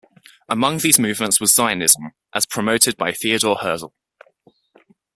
Among these movements was Zionism as promoted by Theodore Herzl.